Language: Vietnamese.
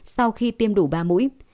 sau khi tiêm đủ ba mũi